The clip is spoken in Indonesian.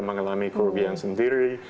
mengalami kerubian sendiri